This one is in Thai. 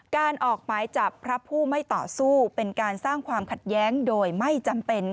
การออกหมายจับพระผู้ไม่ต่อสู้เป็นการสร้างความขัดแย้งโดยไม่จำเป็น